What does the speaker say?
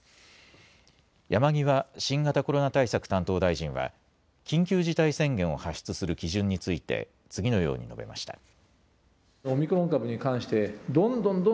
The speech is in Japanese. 山際新型コロナ対策担当大臣は緊急事態宣言を発出する基準について次のように述べました。